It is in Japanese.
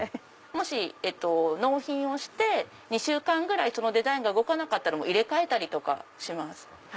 もし納品をして２週間ぐらいそのデザインが動かなかったら入れ替えたりとかします。